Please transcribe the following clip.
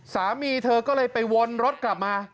สามีเธอก็เลยไปวนรถกลับมา